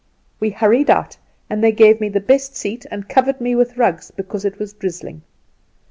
We hurried out, and they gave me the best seat, and covered me with rugs, because it was drizzling.